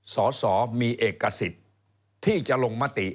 สอสอมีเอกสิทธิ์ที่จะลงมติ